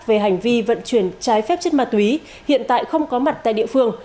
về hành vi vận chuyển trái phép chất ma túy hiện tại không có mặt tại địa phương